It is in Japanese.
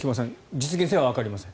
実現性はわかりません。